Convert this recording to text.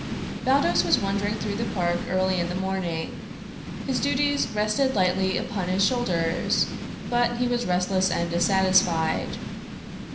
Baldos was wandering through the park early in the morning. His duties rested lightly upon his shoulders, but he was restless and dissatisfied.